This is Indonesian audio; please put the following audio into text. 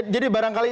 jadi barangkali ini